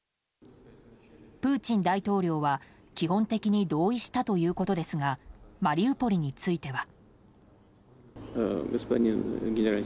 プーチン大統領は基本的に同意したということですがマリウポリについては。